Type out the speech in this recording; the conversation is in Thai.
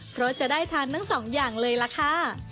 เพราะจะได้ทานทั้งสองอย่างเลยล่ะค่ะ